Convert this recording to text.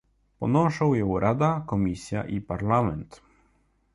Ponoszą ją Rada, Komisja i Parlament